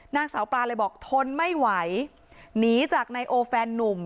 นางสาวปลาเลยบอกทนไม่ไหวหนีจากนายโอแฟนนุ่ม